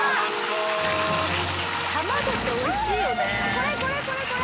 これこれこれこれ！